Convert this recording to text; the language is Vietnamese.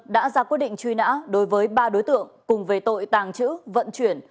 đã ra quyết định truy nã đối với ba đối tượng cùng về tội tàng trữ vận chuyển